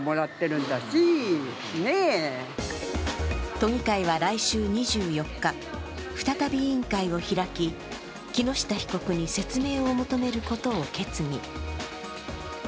都議会は来週２４日、再び委員会を開き、木下被告に説明を求めることを決議。